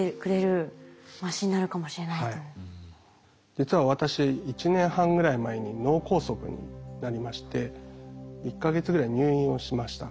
実は私１年半ぐらい前に脳梗塞になりまして１か月ぐらい入院をしました。